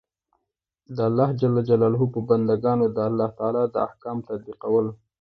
د الله ج په بندګانو د الله تعالی د احکام تطبیقول.